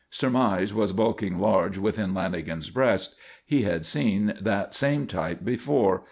Surmise was bulking large within Lanagan's breast. He had seen that same type before.